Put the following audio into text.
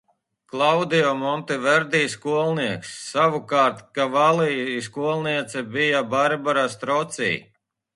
Klaudio Monteverdi skolnieks, savukārt Kavalli skolniece bija Barbara Stroci.